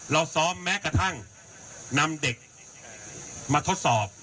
เราซ้อมแม้กระทั่งนำเด็กมาทดสอบ